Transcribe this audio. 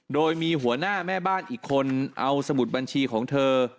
โดยมีหัวหน้าแม่บ้านอีกคนเอาสมุดบัญชีของเธอ